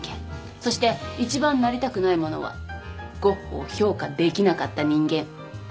そして一番なりたくないものはゴッホを評価できなかった人間。